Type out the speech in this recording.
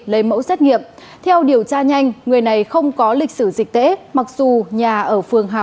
lấy mẫu xét nghiệm theo điều tra nhanh người này không có lịch sử dịch tễ mặc dù nhà ở phường hà